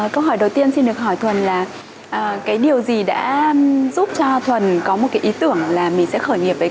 câu hỏi đầu tiên xin được hỏi thuần là cái điều gì đã giúp cho thuần có một cái ý tưởng là mình sẽ khởi nghiệp